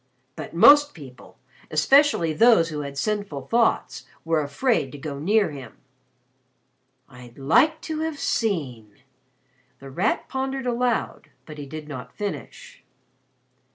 But most people, especially those who had sinful thoughts, were afraid to go near him." "I'd like to have seen " The Rat pondered aloud, but he did not finish.